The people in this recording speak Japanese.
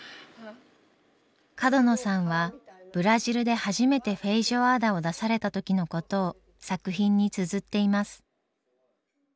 角野さんはブラジルで初めてフェイジョアーダを出された時のことを作品につづっています。